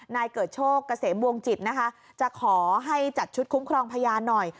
นายเกิดโชคเกษมวงจิตนะคะจะขอให้จัดชุดคุ้มครองพยานหน่อย